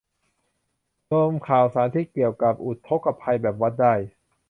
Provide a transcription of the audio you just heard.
รวมข่าวสารที่เกี่ยวกับอุทกภัย แบบวัดได้